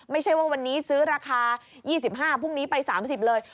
ไม่ใช่ว่าวันนี้ซื้อราคา๒๕พรุ่งนี้ไป๓๐เลย